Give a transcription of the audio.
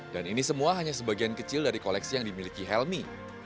dan ini semua hanya sebagian kecil dari koleksi yang dimiliki helmi